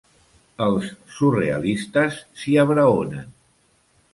Els surrealistes s'hi abraonen.